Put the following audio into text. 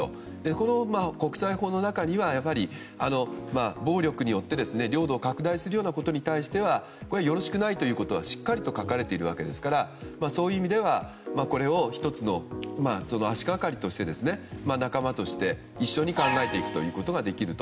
この国際法の中には暴力によって領土を拡大するようなことに対してはよろしくないということはしっかりと書かれているわけですからそういう意味ではこれを１つの足がかりとして仲間として一緒に考えていくことができると。